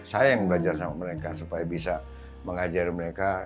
saya yang belajar sama mereka supaya bisa mengajar mereka